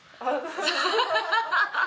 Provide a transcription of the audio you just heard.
ハハハハ！